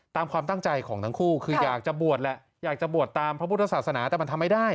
ตามความตั้งใจของทั้งคู่คืออยากจะบวชแหละอยากจะบวชตามพระพุทธศาสนาแต่มันทำไม่ได้